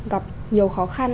gặp nhiều khó khăn